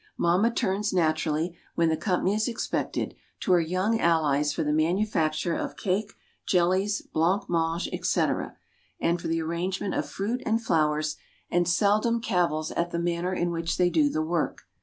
Mamma turns naturally, when company is expected, to her young allies for the manufacture of cake, jellies, blanc mange, etc., and for the arrangement of fruit and flowers, and seldom cavils at the manner in which they do the work.